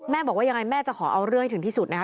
บอกว่ายังไงแม่จะขอเอาเรื่องให้ถึงที่สุดนะคะ